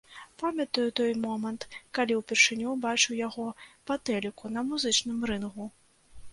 Памятаю той момант, калі ўпершыню ўбачыў яго па тэліку на музычным рынгу.